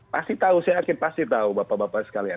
pasti tahu saya yakin pasti tahu bapak bapak sekalian